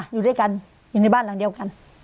อยู่ด้วยกันอยู่ในบ้านหลังเดียวกัน